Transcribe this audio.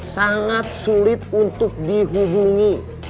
sangat sulit untuk dihubungi